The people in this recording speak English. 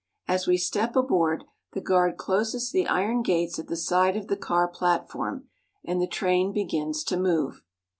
As we step aboard, the guard closes the iron gates at the side of the car platform, and the train begins to move.